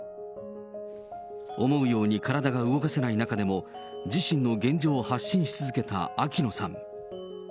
思うように体が動かせない中でも、自身の現状を発信し続けた秋野さん。